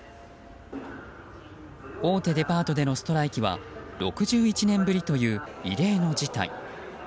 大手デパートでのストライキは６１年ぶりという異例の事態。